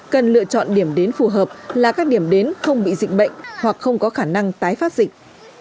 cần lựa chọn điểm đến phù hợp là các điểm đến không bị dịch bệnh hoặc không có khả năng tái phát dịch